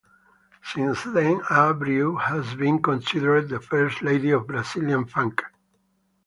Since then, Abreu has been considered the first lady of Brazilian funk.